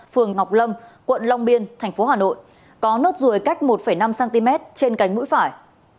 phường ngọc lâm quận long biên thành phố hà nội có nốt ruồi cách một năm cm trên cánh mũi phải